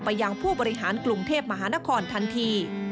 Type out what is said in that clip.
ยังผู้บริหารกรุงเทพมหานครทันที